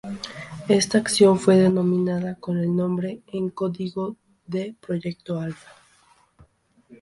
Esta acción fue denominada con el nombre en código de "Proyecto Alfa".